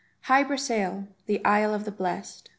] HY BRASAIL THE ISLE OF THE BLEST.